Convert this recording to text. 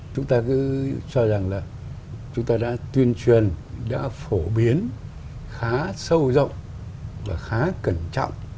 chúng ta cứ cho rằng là chúng ta đã tuyên truyền đã phổ biến khá sâu rộng và khá cẩn trọng